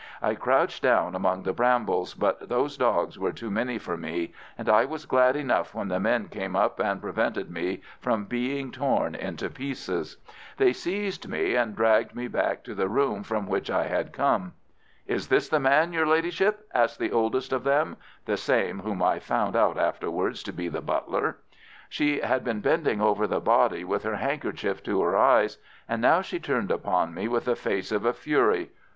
I crouched down among the brambles, but those dogs were too many for me, and I was glad enough when the men came up and prevented me from being torn into pieces. They seized me, and dragged me back to the room from which I had come. "Is this the man, your Ladyship?" asked the oldest of them—the same whom I found out afterwards to be the butler. She had been bending over the body, with her handkerchief to her eyes, and now she turned upon me with the face of a fury.